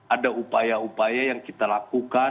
ada upaya upaya yang kita lakukan